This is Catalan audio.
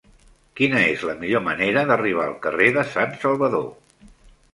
Quina és la millor manera d'arribar al carrer de Sant Salvador?